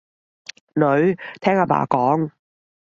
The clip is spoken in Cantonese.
女，聽阿爸講